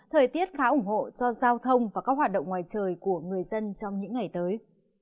thời tiết khá ủng hộ cho giao thông và các hoạt động ngoài trời của người dân trong những ngày tới